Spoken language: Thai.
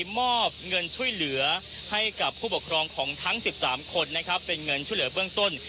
มอบเงินช่วยเหลือให้กับผู้ปกครองของทั้ง๑๓คนนะครับเป็นเงินช่วยเหลือเบื้องต้น